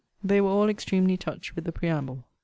They were all extremely touched with the preamble.